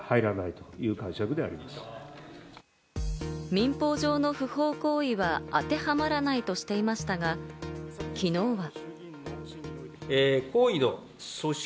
民法上の不法行為は当てはまらないとしていましたが、昨日は。